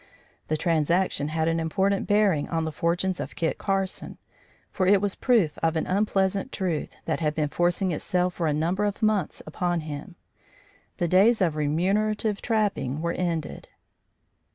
The transaction had an important bearing on the fortunes of Kit Carson, for it was proof of an unpleasant truth that had been forcing itself for a number of months upon him: the days of remunerative trapping were ended.